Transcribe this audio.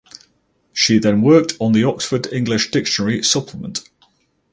She then worked on the Oxford English Dictionary Supplement.